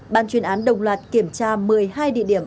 ban chuyên án đồng loạt kiểm tra một mươi hai địa điểm